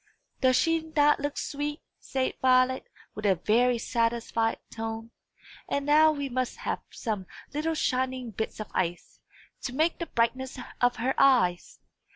"Does she not look sweet?" said Violet, with a very satisfied tone; "and now we must have some little shining bits of ice, to make the brightness of her eyes.